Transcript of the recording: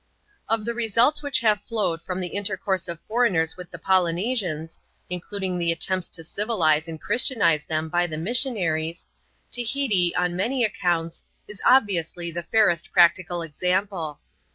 Of the results which have flowed from the intercourse of foreigners with the Polynesians, including the attempts to civi lize and christianize them by the missionaries, Tahiti, on many accounts, is obviously the fairest practical example.